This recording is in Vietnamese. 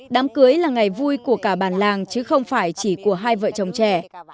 đám cưới là ngày vui của cả bàn làng chứ không phải chỉ của hai vợ chồng trẻ